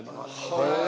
へえ！